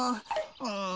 うん。